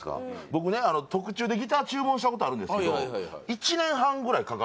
僕ね特注でギター注文したことあるんですけどあれ